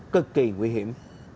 cực kỳ nguy hiểm